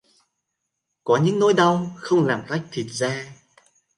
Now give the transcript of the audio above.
Có những nỗi đau không làm rách thịt da